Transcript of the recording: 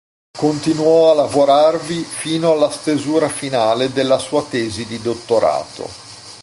Continuò a lavorarvi fino alla stesura finale della sua tesi di dottorato.